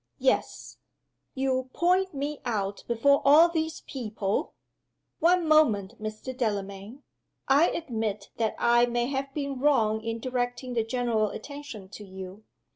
"Yes." "You point me out before all these people " "One moment, Mr. Delamayn. I admit that I may have been wrong in directing the general attention to you.